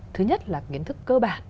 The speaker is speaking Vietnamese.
thứ nhất là kiến thức cơ bản